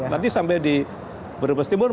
nanti sampai di brebes timur